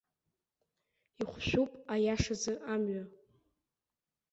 Ихәшәуп, аиашазы, амҩа.